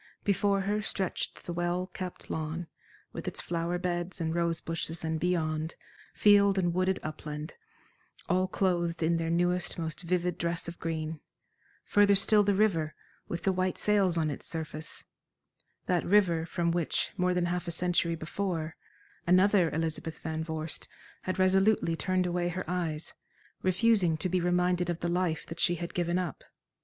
Before her stretched the well kept lawn, with its flower beds and rose bushes and beyond, field and wooded upland, all clothed in their newest, most vivid dress of green; further still the river, with the white sails on its surface that river from which, more than half a century before, another Elizabeth Van Vorst had resolutely turned away her eyes, refusing to be reminded of the life that she had given up.